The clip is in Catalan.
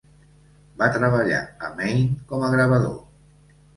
Va treballar a Maine com a gravador.